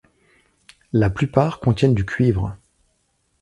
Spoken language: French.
La plupart contiennent du cuivre.